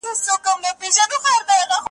چرګه زما ده او هګۍ د بل کره اچوي ,